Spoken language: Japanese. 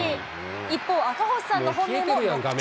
一方、赤星さんの本命も６着。